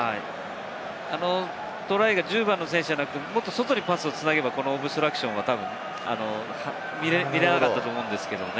あのトライが１０番の選手でなく、もっと外にパスを繋げば、このオブストラクションは見られなかったと思うんですけれどもね。